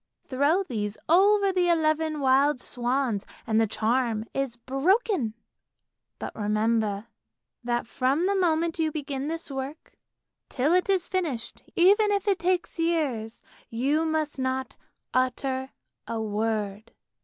Throw these over the eleven wild swans and the charm is broken ! But remember that from the moment you begin this work, till it is finished, even if it takes years, you must not utter a word!